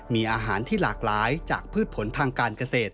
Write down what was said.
มีอาหารที่หลากหลายจากพืชผลทางการเกษตร